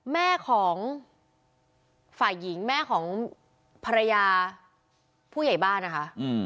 แม่ของฝ่ายหญิงแม่ของภรรยาผู้ใหญ่บ้านนะคะ